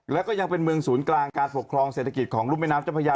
แล้วก็ยังเป็นเมืองศูนย์กลางการปกครองเศรษฐกิจของรุ่นแม่น้ำเจ้าพระยา